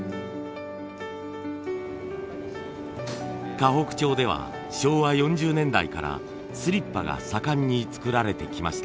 河北町では昭和４０年代からスリッパが盛んに作られてきました。